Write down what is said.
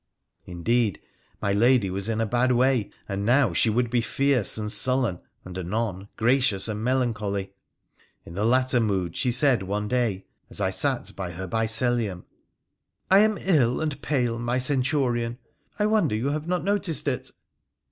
Indeed, my lady was in a bad way and now she would be fierce and sullen, and anon gracious and melancholy. In the latter mood she said one day as I sat by her bisellium —' I am ill and pale, my Centurion : I wonder you have not noticed it.'